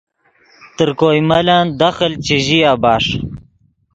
تر کوئے ملن دخل چے ژیا بݰ